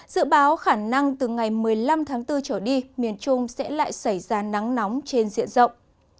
dự báo khả năng từ ngày một mươi năm tháng bốn trở đi miền trung sẽ lại xảy ra nắng nóng trên diện rộng